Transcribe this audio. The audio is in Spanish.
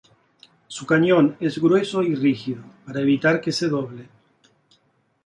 Su cañón es grueso y rígido, para evitar que se doble.